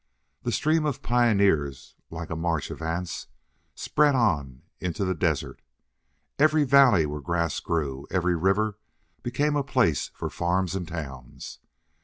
The stream of pioneers, like a march of ants, spread on into the desert. Every valley where grass grew, every river, became a place for farms and towns.